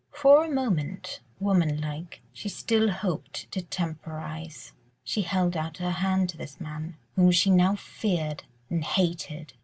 For a moment—woman like—she still hoped to temporise. She held out her hand to this man, whom she now feared and hated.